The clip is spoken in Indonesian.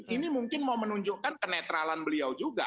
ini mungkin mau menunjukkan kenetralan beliau juga